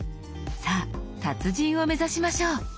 さぁ達人を目指しましょう。